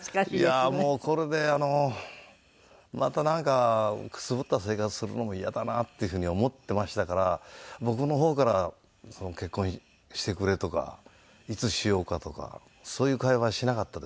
いやもうこれであのまたなんかくすぶった生活するのもイヤだなっていう風に思ってましたから僕の方から「結婚してくれ」とか「いつしようか」とかそういう会話しなかったです。